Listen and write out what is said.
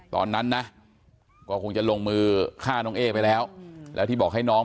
ตอนนั้นนะก็คงจะลงมือฆ่าน้องเอ๊ไปแล้วแล้วที่บอกให้น้อง